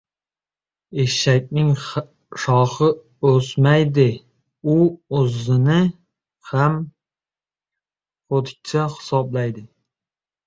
• Eshakning shoxi o‘smadi — u o‘zini hamon ho‘tikcha hisoblaydi.